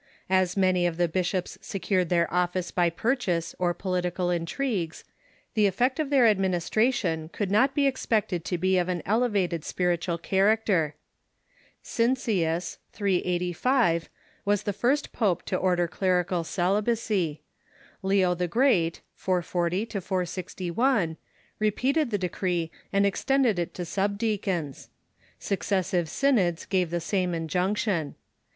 As many of the bishops secured their office by purchase or political intrigues, the eifect of their administration could not be expected to be of an elevated spiritual character. Sincius (385) was the first pope to order clerical celibacy. Leo the Great (440 461) repeated the de cree, and extended it to sub deacons. Successive synods gave the same injunction.